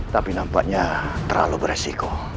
tapi nampaknya terlalu beresiko